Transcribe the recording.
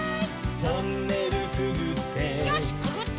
「トンネルくぐって」